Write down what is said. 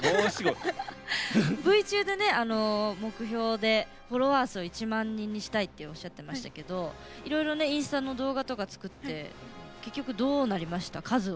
Ｖ中で、目標でフォロワー数１万人にしたいっておっしゃってましたけどいろいろインスタの動画とか作って、結局どうなりました？